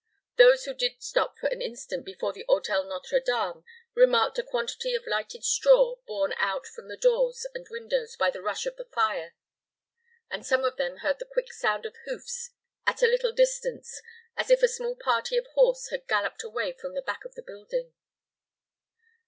Those who did stop for an instant before the Hôtel Nôtre Dame, remarked a quantity of lighted straw borne out from the doors and windows by the rush of the fire, and some of them heard the quick sound of hoofs at a little distance, as if a small party of horse had galloped away from the back of the building.